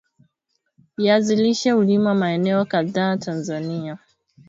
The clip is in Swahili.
Viazi lishe hulimwa maeneo kadhaa TAnzania